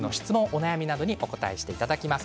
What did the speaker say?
お悩みなどにお答えしていただきます。